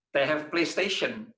mereka punya playstation